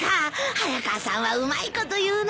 早川さんはうまいこと言うなあ。